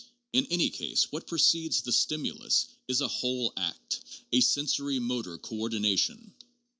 In any case, what proceeds the ' stimulus ' is a whole act, a sensori motor coordi nation.